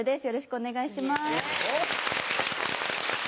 よろしくお願いします。